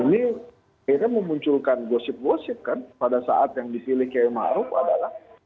ini kita memunculkan gosip gosip kan pada saat yang dipilih km a'ruf adalah